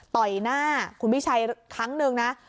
ต่อยหน้าคุณพิชัยครั้งหนึ่งนะ